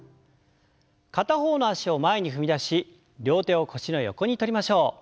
片方の脚を前に踏み出し両手を腰の横にとりましょう。